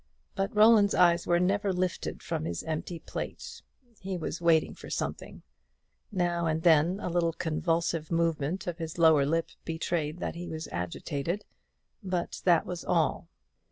But Roland's eyes were never lifted from his empty plate; he was waiting for something; now and then a little convulsive movement of his lower lip betrayed that he was agitated; but that was all.